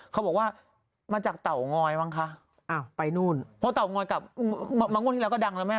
ขอบอกว่ามาจากเต่อง้อยมั้งคะอ้าวไปนู่นก้องนักกำนะกางวกงหนาที่เราก็ดังแล้ว